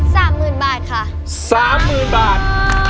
สามหมื่นบาทค่ะสามหมื่นบาท